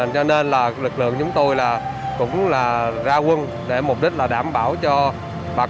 cho nên lực lượng chúng tôi cũng ra quân để mục đích là đảm bảo cho bà con